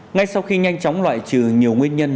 ngay sau khi nhanh chóng loại trừ nhiều nguyên nhân